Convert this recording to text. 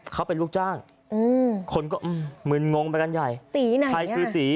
เขาเป็นลูกจ้างอืมคนก็มึนงงไปกันใหญ่ตีไหนใครคือตี